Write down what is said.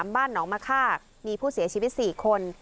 บ้านหนองมะค่ามีผู้เสียชีวิต๔คน